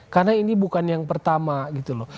karena ini bukan yang pertama gitu loh